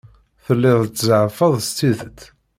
Telliḍ tzeɛfeḍ s tidet?